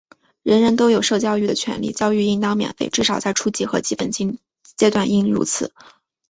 人人都有受教育的权利,教育应当免费,至少在初级和基本阶段应如此。